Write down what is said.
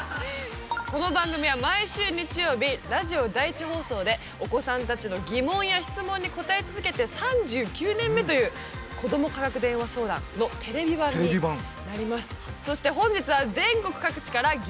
この番組は毎週日曜日ラジオ第１放送でお子さんたちのギモンや質問に答え続けて３９年目という「子ども科学電話相談」のテレビ版になります。